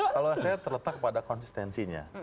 kalau saya terletak pada konsistensinya